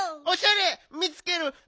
おしゃれ見つける！